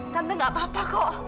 karena gak apa apa kok